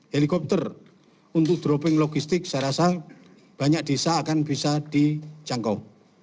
helikopter untuk dropping logistik saya rasa banyak desa akan bisa dijangkau